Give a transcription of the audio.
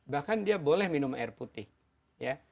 bahkan dia boleh minum air putih ya